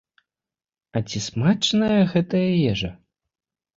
А ці смачная гэтая ежа?